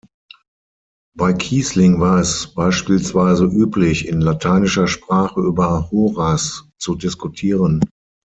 Bei Kiessling war es beispielsweise üblich, in lateinischer Sprache über Horaz zu diskutieren.